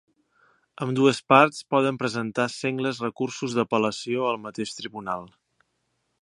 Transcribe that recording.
Ambdues parts poden presentar sengles recursos d’apel·lació al mateix tribunal.